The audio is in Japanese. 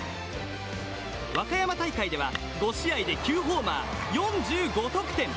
和歌山大会では５試合で９ホーマー４５得点。